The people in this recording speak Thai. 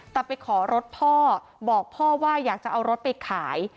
แต่ไปขอรถพ่อบอกพ่อว่าอยากจะเอารถไปขาย